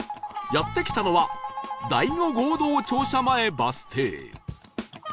やって来たのは大子合同庁舎前バス停